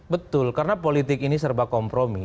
betul karena politik ini serba kompromi